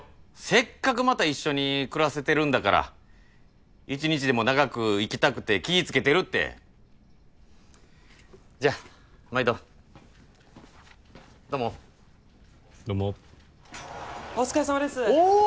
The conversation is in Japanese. せっかくまた一緒に暮らせてるんだから一日でも長く生きたくて気ぃつけてるってじゃっまいどどもどもお疲れさまですおおー！